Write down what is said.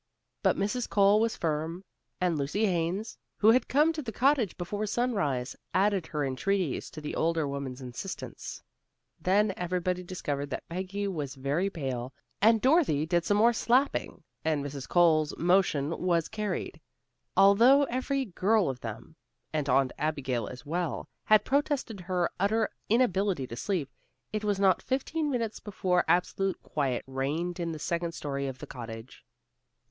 But Mrs. Cole was firm, and Lucy Haines, who had come to the cottage before sunrise, added her entreaties to the older woman's insistence. Then everybody discovered that Peggy was very pale, and Dorothy did some more slapping, and Mrs. Cole's motion was carried. Although every girl of them, and Aunt Abigail as well, had protested her utter inability to sleep, it was not fifteen minutes before absolute quiet reigned in the second story of the cottage.